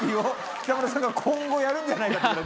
北村さんが今後やるんじゃないかと。